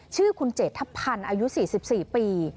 ชื่อคุณเจษฐพันธ์อายุ๔๔ปี